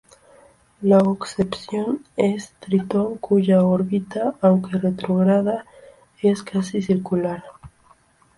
La excepción es Tritón, cuya órbita, aunque retrógrada, es casi circular.